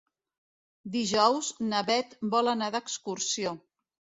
Dijous na Bet vol anar d'excursió.